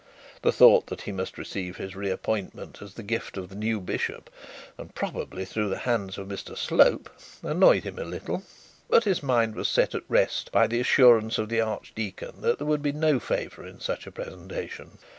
The thought that he must receive his re appointment as the gift of the new bishop, and probably through the hands of Mr Slope, annoyed him a little; but his mind was set at rest by the assurance of the archdeacon that there would be no favour in such a presentation.